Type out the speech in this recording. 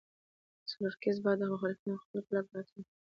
د څلور کسیز بانډ د مخالفینو ځپلو کلک ملاتړي وو.